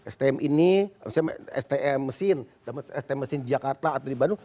stm ini stm mesin stm mesin jakarta atau di bandung